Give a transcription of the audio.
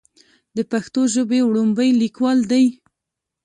د پښتو ژبې وړومبے ليکوال دی